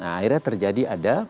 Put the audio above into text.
akhirnya terjadi ada